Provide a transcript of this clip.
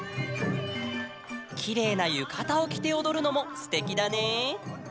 きれいなゆかたをきておどるのもすてきだね。